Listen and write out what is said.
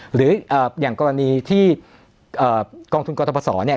หรืออ่าอย่างกรณีที่อ่ากองทุนกรรมศาลเนี้ย